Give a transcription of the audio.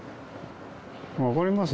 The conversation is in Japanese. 分かります？